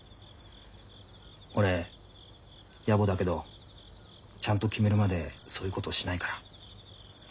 俺やぼだけどちゃんと決めるまでそういうことしないから。